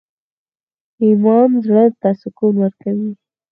ایمان زړه ته سکون ورکوي؟